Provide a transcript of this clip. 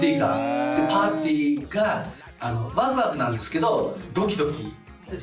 パーティーがワクワクなんですけどドキドキ。